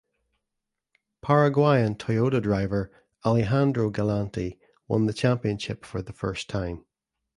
Paraguayan Toyota driver Alejandro Galanti won the championship for the first time.